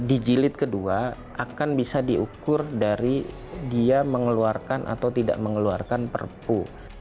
dijilid kedua akan bisa diukur dari dia mengeluarkan atau tidak mengeluarkan perpu